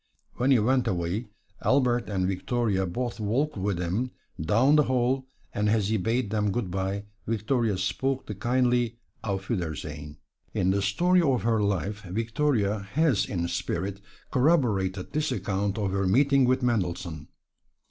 When he went away, Albert and Victoria both walked with him down the hall, and as he bade them good by, Victoria spoke the kindly "Auf wiedersehen." In the story of her life, Victoria has in spirit corroborated this account of her meeting with Mendelssohn.